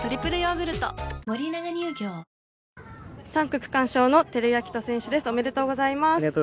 ３区区間賞の照井明人選手です、おめでとうございます。